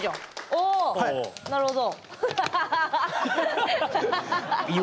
あなるほど。